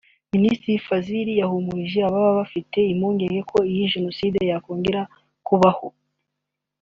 Minisitir Fazil yahumurije ababa bafite impungenge ko iyo jenoside yakongera kubaho